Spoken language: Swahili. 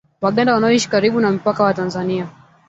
Waganda wanaoishi karibu na mpaka wa Tanzania